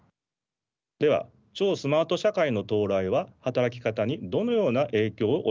では超スマート社会の到来は働き方にどのような影響を及ぼすのでしょうか。